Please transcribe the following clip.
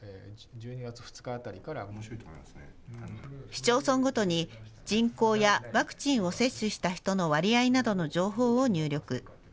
市町村ごとに人口やワクチンを接種した人の割合などの情報を入力。